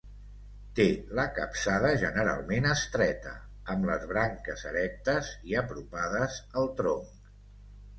Té la capçada generalment estreta, amb les branques erectes i apropades al tronc.